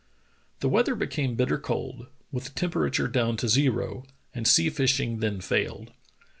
The wearther became bitter cold, with the temperature down to zero, and sea fishing then failed.